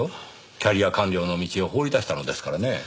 キャリア官僚の道を放り出したのですからねぇ。